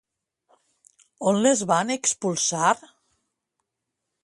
On les van expulsar?